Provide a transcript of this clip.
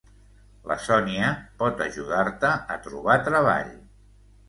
La Sònia pot ajudar-te a trobar treball...